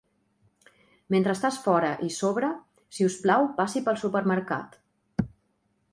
Mentre estàs fora i sobre, si us plau passi pel supermercat.